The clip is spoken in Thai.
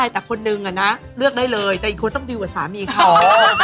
แต่คนนึงเลือกได้เลยแต่อีกคนต้องดีกว่าสามีเขา